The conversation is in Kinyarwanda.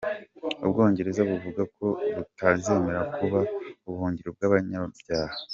Ubwongereza buvuga ko butazemera kuba “Ubuhungiro bw’abanyabyaha”.